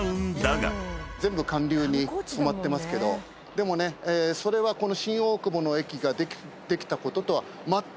でもねそれはこの。